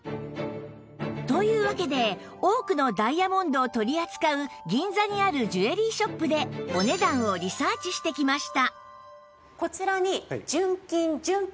というわけで多くのダイヤモンドを取り扱う銀座にあるジュエリーショップでお値段をリサーチしてきました